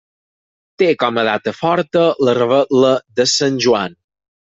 Té com a data forta la revetlla de Sant Joan.